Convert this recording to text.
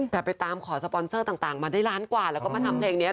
แต่ไปตามขอสปอนเซอร์ต่างมาได้ล้านกว่าแล้วก็มาทำเพลงนี้